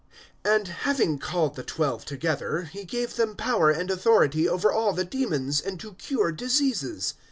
IX. AND having called the twelve together, he gave them power and authority over all the demons, and to cure diseases.